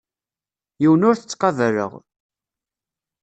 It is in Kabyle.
Yiwen ur t-ttqabaleɣ.